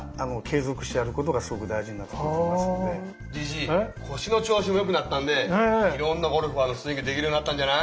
じいじ腰の調子もよくなったんでいろんなゴルファーのスイングできるようになったんじゃない？